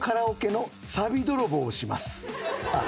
あっ。